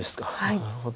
なるほど。